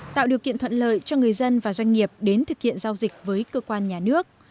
tạo điều kiện thuận lợi cho người dân và doanh nghiệp đến thực hiện giao dịch với cơ quan nhà nước